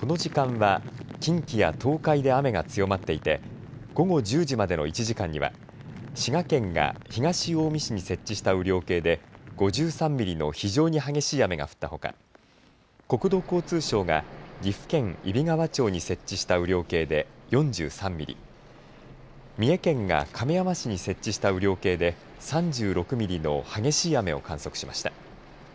この時間は近畿や東海で雨が強まっていて午後１０時までの１時間には滋賀県が東近江市に設置した雨量計で５３ミリの非常に激しい雨が降ったほか国土交通省が岐阜県揖斐川町に設置した雨量計で４３ミリ三重県が亀山市に設置した雨量計で３６ミリの激しい雨を観測しました。